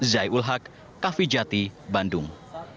zai ul haq kaffee jati bandung